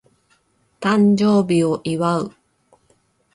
誕生日を祝う